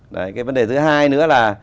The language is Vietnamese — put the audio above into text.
cái vấn đề thứ hai nữa là